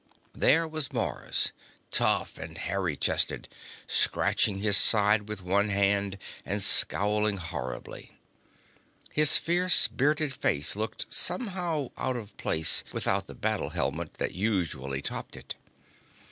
There was Mars, tough and hairy chested, scratching his side with one hand and scowling horribly. His fierce, bearded face looked somehow out of place without the battle helmet that usually topped it.